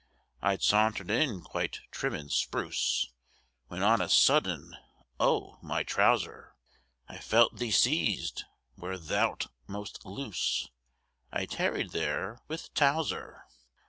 I'd sauntered in quite trim and spruce, When on a sudden, oh, my trouser, I felt thee seized where thou'rt most loose, I tarried there with Towser.